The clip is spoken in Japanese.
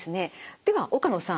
では岡野さん